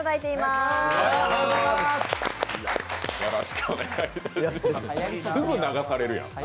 すぐ流されるやん。